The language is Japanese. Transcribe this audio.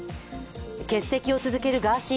欠席を続けるガーシー